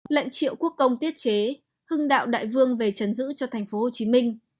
lệnh triệu quốc công tiết chế hưng đạo đại vương về chấn giữ cho tp hcm